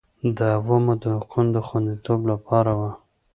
د عوامو د حقوقو د خوندیتوب لپاره وه